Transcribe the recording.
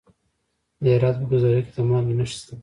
د هرات په ګذره کې د مالګې نښې شته.